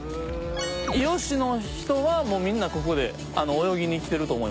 伊予市の人はもうみんなここで泳ぎに来てると思います。